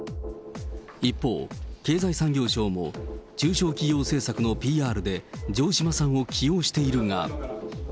一方、経済産業省も、中小企業政策のＰＲで城島さんを起用しているが。